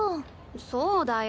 そうだよ。